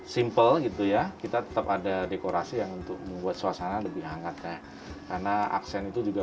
simple gitu ya kita tetap ada dekorasi yang untuk membuat suasana lebih hangat ya karena aksen itu juga